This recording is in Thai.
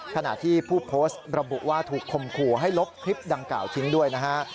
ขณะที่ผู้โพสต์ระบุว่าถูกคมขู่ให้ลบคลิปดังกล่าวทิ้งด้วยนะฮะ